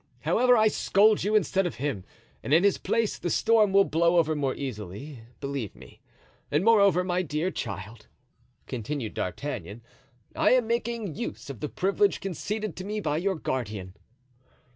However, I scold you instead of him, and in his place; the storm will blow over more easily, believe me. And moreover, my dear child," continued D'Artagnan, "I am making use of the privilege conceded to me by your guardian."